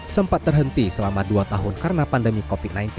sempat terhenti selama dua tahun karena pandemi covid sembilan belas